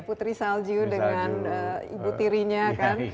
putri salju dengan ibu tirinya kan